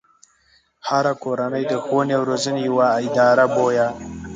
هره کورنۍ د ښوونې او روزنې يوه اداره بويه.